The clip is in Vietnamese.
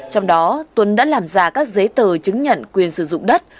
trong đó tuấn đã làm ra các giấy tờ chứng nhận quyền sử dụng đất